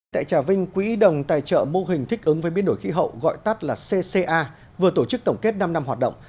tại trà vinh quỹ đồng tài trợ mô hình thích ứng với biến đổi khí hậu gọi tắt là cca vừa tổ chức tổng kết năm năm hoạt động